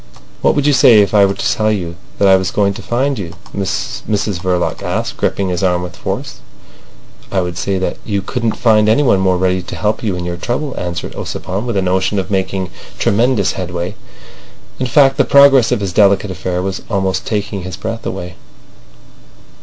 "What would you say if I were to tell you that I was going to find you?" Mrs Verloc asked, gripping his arm with force. "I would say that you couldn't find anyone more ready to help you in your trouble," answered Ossipon, with a notion of making tremendous headway. In fact, the progress of this delicate affair was almost taking his breath away.